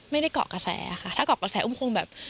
ไม่ได้เกาะกระแสค่ะถ้าเกาะกระแสอุ้มคงแบบ